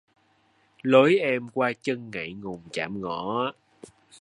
Lối em qua chân ngại ngùng chạm ngõ